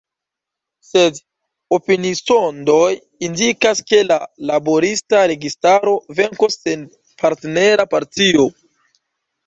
Sed opinisondoj indikas, ke la Laborista Registaro venkos sen partnera partio.